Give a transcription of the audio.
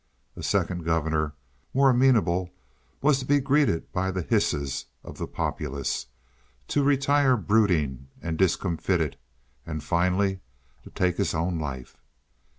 A second governor, more amenable, was to be greeted by the hisses of the populace, to retire brooding and discomfited, and finally to take his own life.